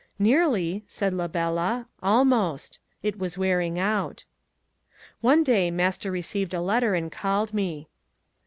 Nearly, said la bella—almost. It was wearing out. One day master received a letter, and called me.